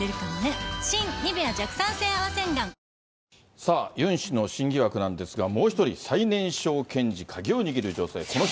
さあ、ユン氏の新疑惑なんですが、もう１人、最年少検事、鍵を握る女性、この人。